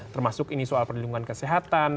termasuk ini soal perlindungan kesehatan